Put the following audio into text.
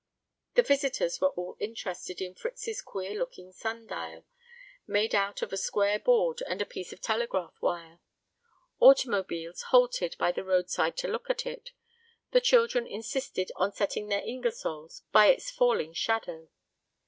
The visitors were all interested in Fritz's queer looking sun dial, made out of a square board and piece of telegraph wire. Automobiles halted by the roadside to look at it. The children insisted on setting their Ingersolls by its falling shadow.